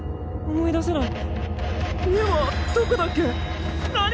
思い出せない！